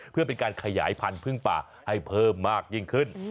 เพื่อเป็นการขยายพันธุ์พึ่งป่าให้เพิ่มมากยิ่งขึ้น